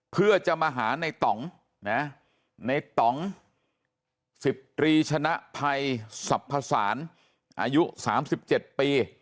เพื่อจะมาหาในต่องนะในต่อง๑๐ตรีชนะภัยสรรพสารอายุ๓๗ปี